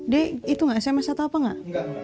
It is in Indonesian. dek itu sms atau enggak